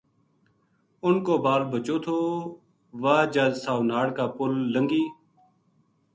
اُنھ کو بال بچو تھو واہ جد ساؤ ناڑ کا پل لنگھی